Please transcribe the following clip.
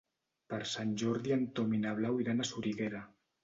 Per Sant Jordi en Tom i na Blau iran a Soriguera.